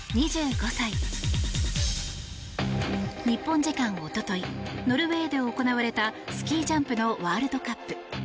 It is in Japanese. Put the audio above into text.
日本時間一昨日ノルウェーで行われたスキージャンプのワールドカップ。